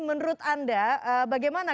menurut anda bagaimana